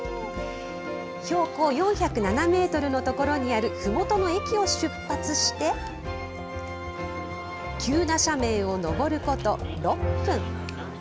標高４０７メートルの所にあるふもとの駅を出発して、急な斜面を上ること６分。